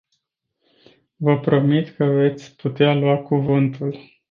Vă promit că veți putea lua cuvântul.